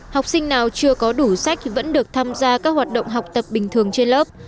học sinh nào chưa có đủ sách vẫn được tham gia các hoạt động học tập bình thường trên lớp